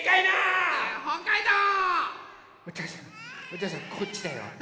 おとうさんこっちだよ。